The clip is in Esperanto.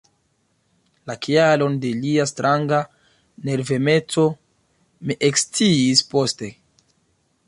La kialon de lia stranga nervemeco mi eksciis poste.